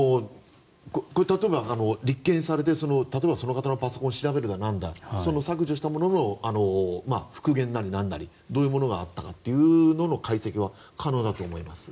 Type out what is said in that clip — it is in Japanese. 例えば、立件されて例えば、その方のパソコンを調べその削除したものの復元なりなんなりどういうものがあったかということの解析は可能だと思います。